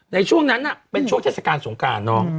ในช่วงนั้นเป็นช่วงเทศกาลสงการน้อง